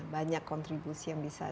banyak kontribusi yang bisa